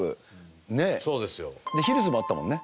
ヒルズもあったもんね。